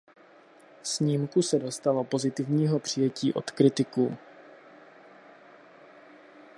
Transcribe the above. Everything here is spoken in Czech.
Snímku se dostalo pozitivního přijetí od kritiků.